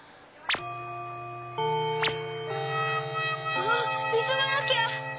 あっいそがなきゃ！